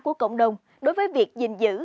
của cộng đồng đối với việc dình dữ